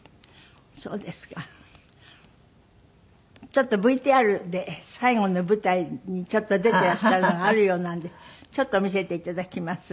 ちょっとＶＴＲで最後の舞台に出ていらっしゃるのがあるようなのでちょっと見せて頂きます。